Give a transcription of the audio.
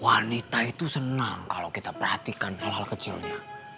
wanita itu senang kalau kita perhatikan hal hal kecilnya